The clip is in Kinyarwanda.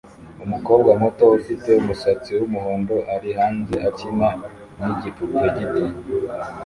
Umukobwa muto ufite umusatsi wumuhondo ari hanze akina nigipupe gito